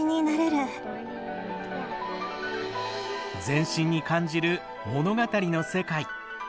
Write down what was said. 全身に感じる物語の世界。